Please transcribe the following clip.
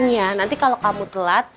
bener ya nanti kalo kamu telat